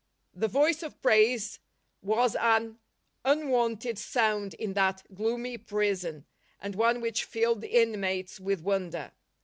The voice of praise was an unwonted sound in that gloomy prison, and one which filled the in mates with wonder.